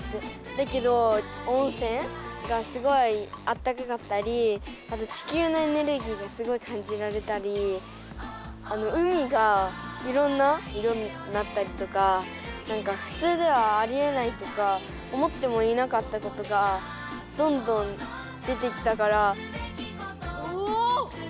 だけど温泉がすごいあったかかったりあと地球のエネルギーがすごい感じられたりあの海がいろんな色になったりとかなんかふつうではありえないとか思ってもいなかったことがどんどん出てきたから。